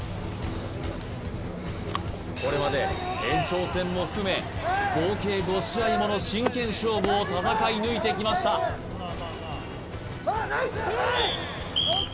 これまで延長戦も含め合計５試合もの真剣勝負を戦い抜いてきましたやめ！